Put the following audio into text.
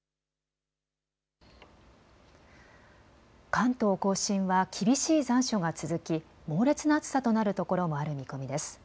関東甲信は厳しい残暑が続き猛烈な暑さとなるところもある見込みです。